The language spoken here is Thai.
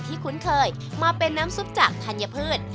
คุ้นเคยมาเป็นน้ำซุปจากธัญพืช